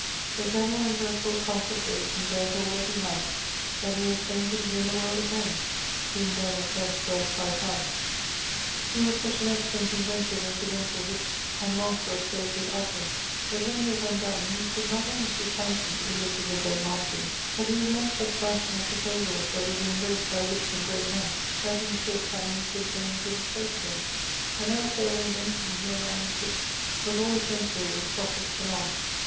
The generall and dreadfull conflagration burn't all that he had, that he was faine to begin the world again, being then at best worth 5 li. He had such an excellent inventive and prudentiall witt, and master of so good addresse, that when he was undon he could not only shift handsomely (which is a great mastery), but he would make such rationall proposalls that would be embraced by rich and great men, that in a short time he could gaine a good estate again, and never failed in any thing he ever undertooke but allwayes went through with profits and honour.